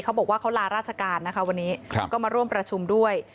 เขาบอกว่าเขาลาราชการนะคะวันนี้ก็มาร่วมประชุมด้วย